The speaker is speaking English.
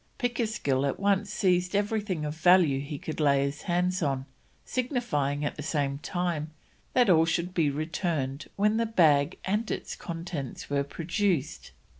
Pickersgill at once seized everything of value he could lay his hands on, signifying at the same time that all should be returned when the bag and its contents were produced.